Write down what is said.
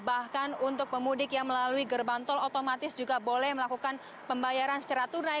bahkan untuk pemudik yang melalui gerbang tol otomatis juga boleh melakukan pembayaran secara tunai